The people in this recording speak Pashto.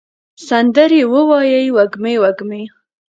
سندرې ووایې وږمې، وږمې